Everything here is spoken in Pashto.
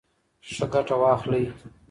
چې ښه ګټه واخلئ.